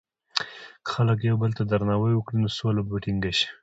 که خلک یو بل ته درناوی وکړي، نو سوله به ټینګه شي.